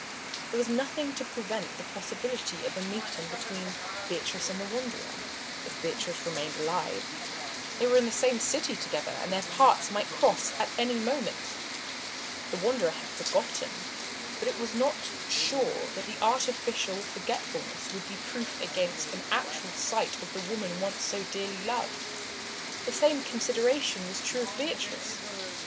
There was nothing to prevent the possibility of a meeting between Beatrice and the Wanderer, if Beatrice remained alive. They were in the same city together, and their paths might cross at any moment. The Wanderer had forgotten, but it was not sure that the artificial forgetfulness would be proof against an actual sight of the woman once so dearly loved. The same consideration was true of Beatrice.